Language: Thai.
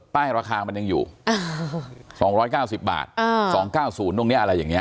ป้ายราคามันยังอยู่เออสองร้อยเก้าสิบบาทเออสองเก้าศูนย์ตรงเนี้ยอะไรอย่างเงี้ย